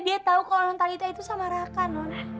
dia tahu kalau nontalita itu sama raka nont